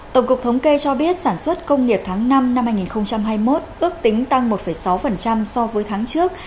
tổng cục thống kê cho biết sản xuất công nghiệp tháng năm năm hai nghìn hai mươi một ước tính tăng một sáu so với tháng trước